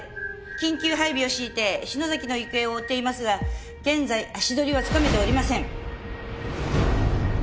緊急配備を敷いて篠崎の行方を追っていますが現在足取りはつかめておりません。